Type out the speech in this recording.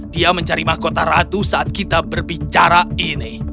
dia mencari mahkota ratu saat kita berbicara ini